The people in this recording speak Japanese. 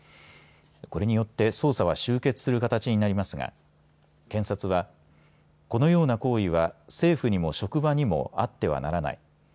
これによって捜査は終結する形になりますが検察はこのような行為は政府にも職場にもあってはならない。